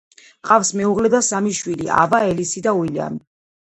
ჰყავს მეუღლე და სამი შვილი: ავა, ელისი და უილიამი.